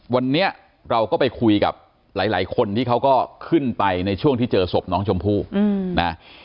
วันนี้เราก็ไปคุยกับหลายคนที่เขาก็ขึ้นไปในช่วงที่เจอศพน้องชมพู่นะ